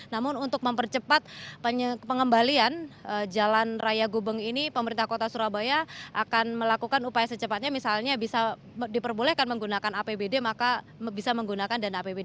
namun untuk mempercepat pengembalian jalan raya gubeng ini pemerintah kota surabaya akan melakukan upaya secepatnya misalnya bisa diperbolehkan menggunakan apbd maka bisa menggunakan dana apbd